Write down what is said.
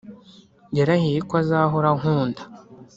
yarahiye ko azahora ankunda,